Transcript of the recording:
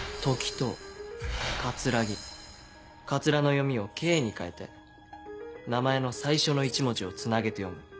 「桂」の読みを「けい」に変えて名前の最初の１文字をつなげて読む。